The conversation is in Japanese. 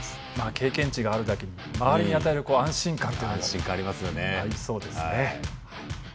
経験値があるだけに周りに与える安心感というのもありそうですね。